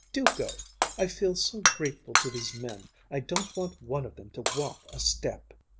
"Do go! I feel so grateful to these men I don't want one of them to walk a step!"